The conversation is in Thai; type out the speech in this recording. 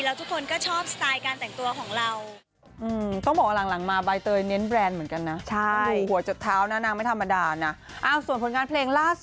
แล้วทุกคนก็ชอบสไตล์การแต่งตัวของเรา